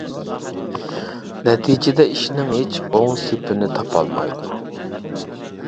نەتىجىدە ئىشنىڭ ھېچ ئوڭ سېپىنى تاپالمايدۇ.